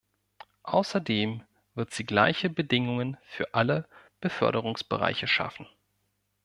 Außerdem wird sie gleiche Bedingungen für alle Beförderungsbereiche schaffen.